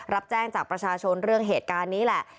รับแจ้งจากประชาชนเรื่องเหตุการณ์นี้แหละ